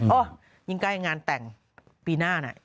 โอ๊ยยิ่งใกล้งานแต่งปีหน้าหน่อย